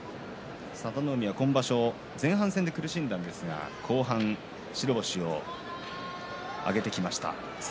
佐田の海、今場所は前半で苦しみましたが後半、白星を挙げてきました。